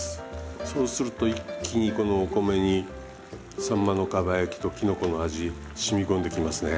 そうすると一気にこのお米にさんまのかば焼きときのこの味染み込んでいきますね。